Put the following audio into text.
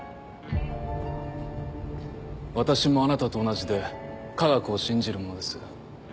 私もあなたと同じで科学を信じる者です。